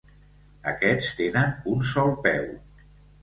Aquests tenen un sol peu.